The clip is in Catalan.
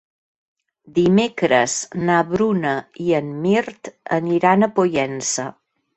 Dimecres na Bruna i en Mirt aniran a Pollença.